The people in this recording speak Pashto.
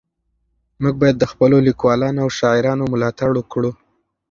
موږ باید د خپلو لیکوالانو او شاعرانو ملاتړ وکړو.